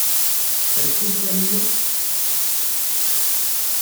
Cette route va à New York ?